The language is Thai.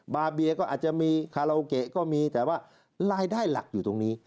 บาเบียก็อาจจะมีคาราโอเกะก็มีแต่ว่ารายได้หลักอยู่ตรงนี้